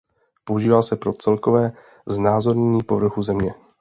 Používá se pro celkové znázornění povrchu Země.